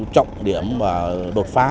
trọng điểm và đột phá